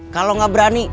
kalau gak berani